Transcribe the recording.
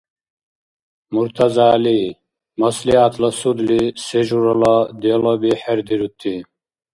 МуртазагӀяли, маслигӀятла судли се журала делоби хӀердирути?